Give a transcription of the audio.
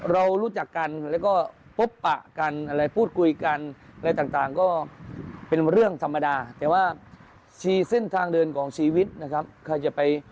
เรารู้จักกันแล้วก็พบปะกันอะไรพูดคุยกันอะไรต่างก็เป็นเรื่องธรรมดาแต่ว่าชี้เส้นทางเดินของชีวิตนะครับใครจะไป